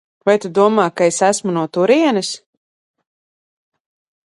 Vai tu domā, ka es esmu no turienes?